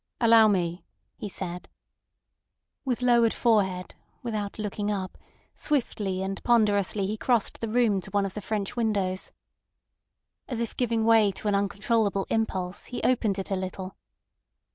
"Allow me," he said. With lowered forehead, without looking up, swiftly and ponderously he crossed the room to one of the French windows. As if giving way to an uncontrollable impulse, he opened it a little.